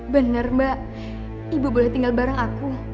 benar mbak ibu boleh tinggal bareng aku